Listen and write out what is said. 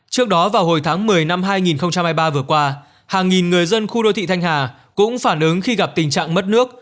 trước đó vào hồi tháng một mươi năm hai nghìn hai mươi ba vừa qua hàng nghìn người dân khu đô thị thanh hà cũng phản ứng khi gặp tình trạng mất nước